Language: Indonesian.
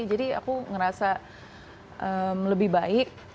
jadi aku ngerasa lebih baik